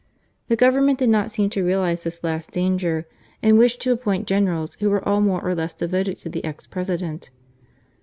The Government did not seem to realize this last danger, and wished to appoint generals who were all more or less devoted to the ex president.